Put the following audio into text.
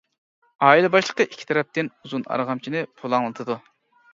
ئائىلە باشلىقى ئىككى تەرەپتىن ئۇزۇن ئارغامچىنى پۇلاڭلىتىدۇ.